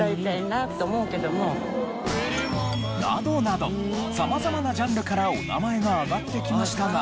などなど様々なジャンルからお名前が挙がってきましたが。